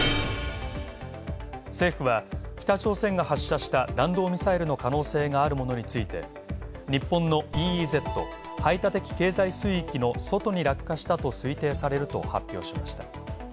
政府は北朝鮮が発射した弾道ミサイルの可能性があるものについて日本のＥＥＺ＝排他的経済水域の外に落下したと推定されると発表しました